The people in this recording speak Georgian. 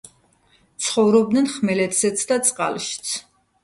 ცხოვრობდნენ ხმელეთზეც და წყალშიც.